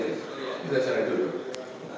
kita selesai dulu